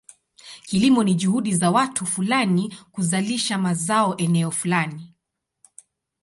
Kilimo ni juhudi za watu fulani kuzalisha mazao eneo fulani.